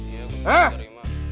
iya aku minta terima